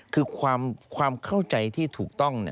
คือความเข้าใจที่ถูกต้อง